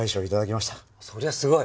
そりゃすごい。